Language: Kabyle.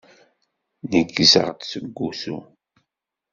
Neggzeɣ-d seg usu.